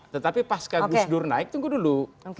tetapi pas kegu gu naik tunggu dulu